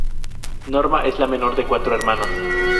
Norma es la menor de cuatro hermanas.